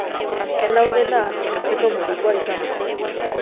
Azken laurdena erotzeko modukoa izan da.